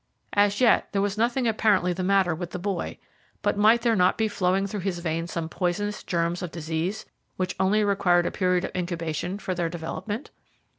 As yet there was nothing apparently the matter with the boy, but might there not be flowing through his veins some poisonous germs of disease, which only required a period of incubation for their development?